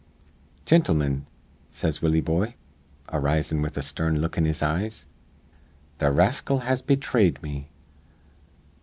'Gintlemin,' says Willie Boye, arisin' with a stern look in his eyes, 'th' rascal has bethrayed me.